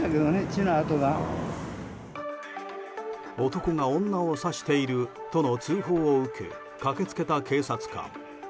男が女を刺しているとの通報を受け、駆けつけた警察官。